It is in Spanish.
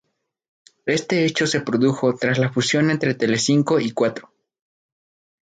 Este hecho se produjo tras la fusión entre Telecinco y Cuatro.